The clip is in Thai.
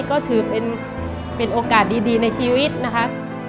ก็ถือเป็นโอกาสดีในชีวิตนะคะ